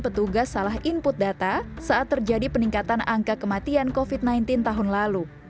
petugas salah input data saat terjadi peningkatan angka kematian covid sembilan belas tahun lalu